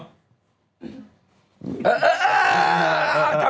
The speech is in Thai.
เออเออเออเออ